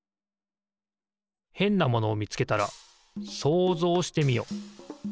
へんなものをみつけたら想像してみよ。